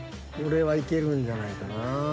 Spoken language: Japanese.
これはいけるんじゃないかなぁ。